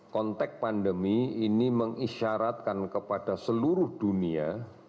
konteks pandemi ini mengisyaratkan kepada seluruh dunia